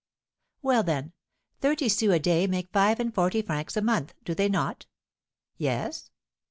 "Well, then, thirty sous a day make five and forty francs a month, do they not?" "Yes."